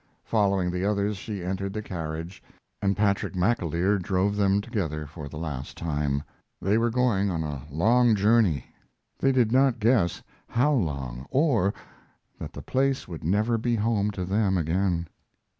Following the others she entered the carriage, and Patrick McAleer drove them together for the last time. They were going on a long journey. They did not guess how long, or that the place would never be home to them again.